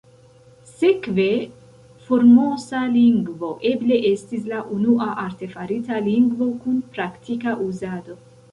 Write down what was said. Sekve, Formosa lingvo eble estis la unua artefarita lingvo kun praktika uzado.